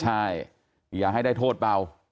ใช่อย่าให้ได้โทษเบา